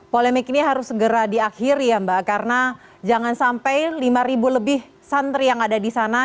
polemik ini harus segera diakhiri ya mbak karena jangan sampai lima lebih santri yang ada di sana